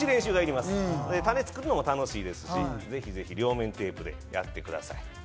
タネを作るのも楽しいですし、ぜひぜひ両面テープでやってください。